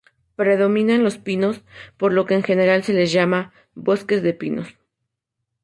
Predominan los pinos, por lo que en general se les llama "bosque de pinos".